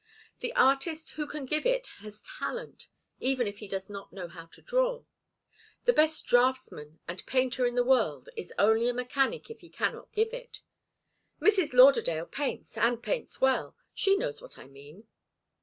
The artist who can give it has talent, even if he does not know how to draw. The best draughtsman and painter in the world is only a mechanic if he cannot give it. Mrs. Lauderdale paints and paints well she knows what I mean."